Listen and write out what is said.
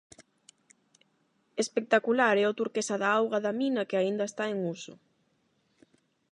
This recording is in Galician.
Espectacular é o turquesa da auga da mina que aínda está en uso.